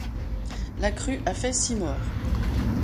La crue a fait six morts.